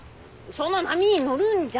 その波に乗るんじゃん。